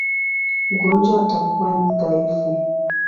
Mgonjwa atakuwa dhaifu.